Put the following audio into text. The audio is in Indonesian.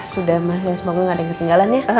sudah mbak semoga nggak ada yang ketinggalan